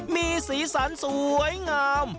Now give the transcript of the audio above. มีสีสันสวยงาม